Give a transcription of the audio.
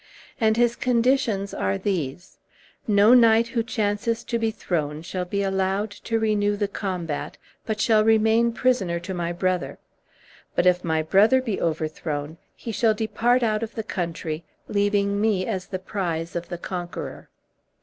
And his conditions are these: No knight who chances to be thrown shall be allowed to renew the combat, but shall remain prisoner to my brother; but if my brother be overthrown he shall depart out of the country, leaving me as the prize of the conqueror."